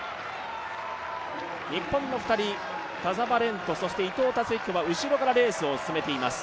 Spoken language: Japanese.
日本の２人、田澤廉と伊藤達彦は後ろからレースを進めています。